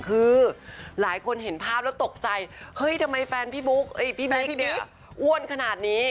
คือหลายคนเห็นภาพแล้วตกใจเฮ้ยทำไมแฟนพี่บุ๊กพี่บิ๊กดิอ้วนขนาดนี้